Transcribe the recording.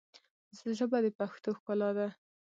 ژبه د پښتو ښکلا ده